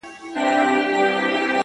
چي ستا د حسن پلوشې چي د زړه سر ووهي’